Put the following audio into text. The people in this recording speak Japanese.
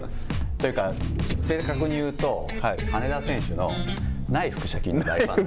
というか、正確に言うと、羽根田選手の内腹斜筋の大ファンで。